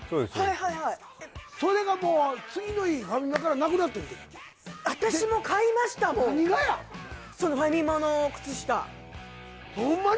はいはいそれがもう次の日ファミマからなくなってんて私も買いましたもん何がやそのファミマの靴下ホンマに？